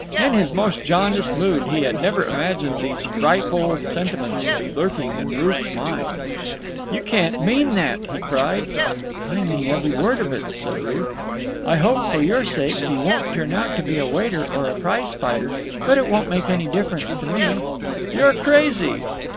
In his most jaundiced mood he had never imagined these frightful sentiments to be lurking in Ruth's mind. "You can't mean that!" he cried. "I mean every word of it," said Ruth. "I hope, for your sake, he won't turn out to be a waiter or a prize fighter, but it won't make any difference to me." "You're crazy!"